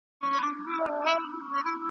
کشکي ستاسي په څېر زه هم الوتلای .